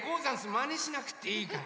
まねしなくていいから。